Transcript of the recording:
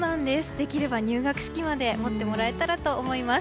できれば入学式まで持ってもらえたらと思います。